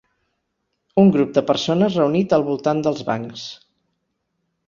Un grup de persones reunit al voltant dels bancs.